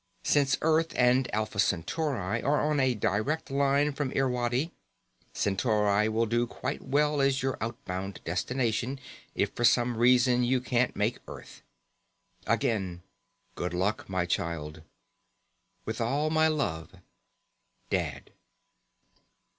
Since Earth and Alpha Centauri are on a direct line from Irwadi, Centauri will do quite well as your outbound destination if for some reason you can't make Earth. Again, good luck, my child. With all my love, Dad.